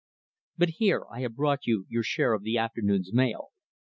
But here I have brought you your share of the afternoon's mail."